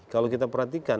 kalau kita perhatikan